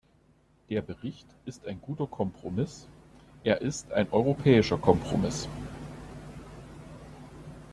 Der Bericht ist ein guter Kompromiss, er ist ein europäischer Kompromiss.